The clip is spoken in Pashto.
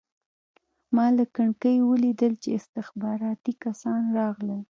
ما له کړکۍ ولیدل چې استخباراتي کسان راغلل